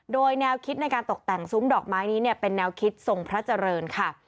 โดยแนวคิดในการตกแต่งซุ้มดอกไม้นี้เป็นแนวคิดทรงพระเจริญค่ะ